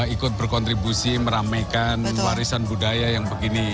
ikut berkontribusi meramaikan warisan budaya yang begini